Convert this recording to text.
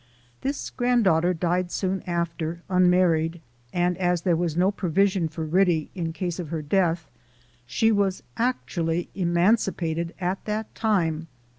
This grand daughter died soon after, unmarried ; and as there was no provision for Ritty, in case of her death, she was actually emancipated at that time.